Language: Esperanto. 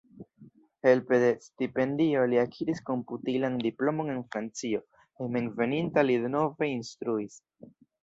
Helpe de stipendio li akiris komputilan diplomon en Francio, hejmenveninta li denove instruis.